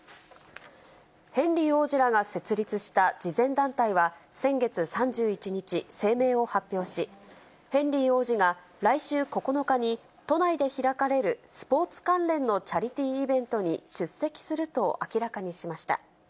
ヘンリー王子らが設立した慈善団体は、先月３１日、声明を発表し、ヘンリー王子が、来週９日に都内で開かれるスポーツ関連のチャリティーイベントに出席すると明らかにしました。